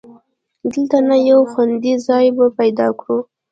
دلته نه، یو خوندي ځای به پیدا کړو.